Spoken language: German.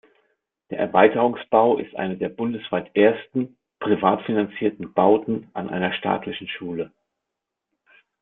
Der Erweiterungsbau ist eine der bundesweit ersten, privat finanzierten Bauten an einer staatlichen Schule.